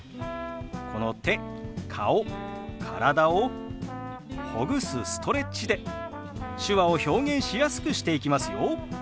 この手顔体をほぐすストレッチで手話を表現しやすくしていきますよ。